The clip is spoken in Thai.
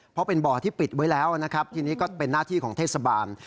เพราะเป็นบ่อที่ปิดไว้แล้วนะครับทีนี้ก็เป็นหน้าที่ของเทศบาล